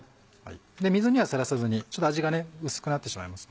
水にはさらさずにちょっと味が薄くなってしまいますので。